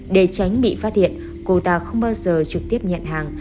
để tránh bị phát hiện cô ta không bao giờ trực tiếp nhận hàng